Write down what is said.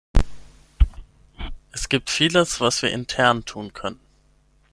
Es gibt vieles, was wir intern tun können.